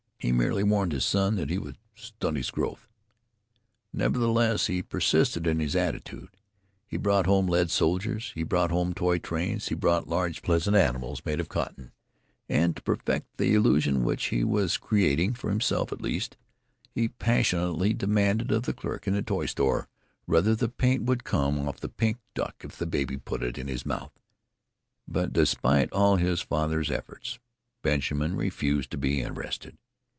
He merely warned his son that he would "stunt his growth." Nevertheless he persisted in his attitude. He brought home lead soldiers, he brought toy trains, he brought large pleasant animals made of cotton, and, to perfect the illusion which he was creating for himself at least he passionately demanded of the clerk in the toy store whether "the paint would come oft the pink duck if the baby put it in his mouth." But, despite all his father's efforts, Benjamin refused to be interested.